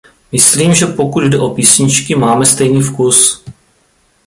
Myslím, že pokud jde o písničky, máme stejný vkus.